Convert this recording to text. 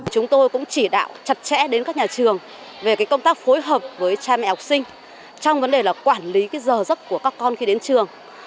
chúng tôi cũng chỉ đạo chặt chẽ đến các nhà trường về công tác phối hợp với cha mẹ học sinh trong vấn đề là quản lý giờ giấc của các con khi đến trường